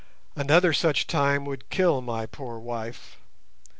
Another such time would kill my poor wife.